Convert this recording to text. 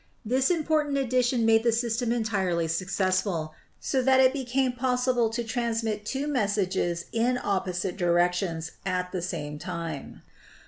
This important addition made the 302 ELECTRICITY system entirely successful, so that it became possible to transmit two messages in opposite directions at the same time.